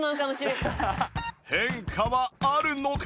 変化はあるのか？